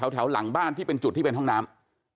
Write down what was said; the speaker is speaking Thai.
แถวหลังบ้านที่เป็นจุดที่เป็นห้องน้ำ